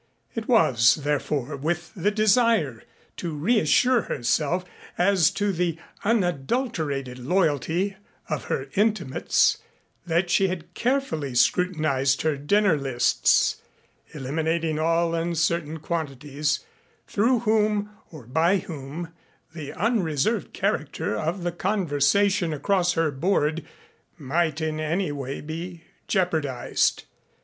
It was, therefore, with the desire to reassure herself as to the unadulterated loyalty of her intimates that she had carefully scrutinized her dinner lists, eliminating all uncertain quantities through whom or by whom the unreserved character of the conversation across her board might in any way be jeopardized.